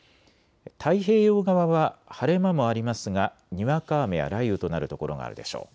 太平洋側は晴れ間もありますがにわか雨や雷雨となるところがあるでしょう。